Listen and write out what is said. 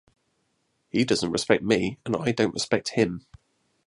He doesn't respect me and I don't respect him.